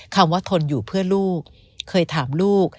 คำว่าทนอยู่เพื่อลูกเคยถามลูก